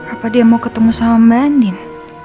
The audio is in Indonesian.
apa dia mau ketemu sama manin